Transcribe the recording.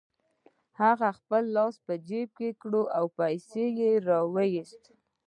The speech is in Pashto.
هغه خپل لاس جيب ته کړ او پيسې يې را و ايستې.